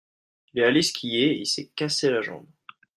Il est allé skier et il s'est cassé la jambe.